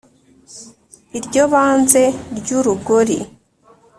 Iryo banze ry'urugori